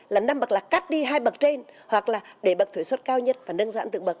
là năm bậc là cắt đi hai bậc trên hoặc là để bậc thuế xuất cao nhất và nâng dạng từ bậc